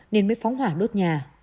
nên mới phóng hỏa đốt nhà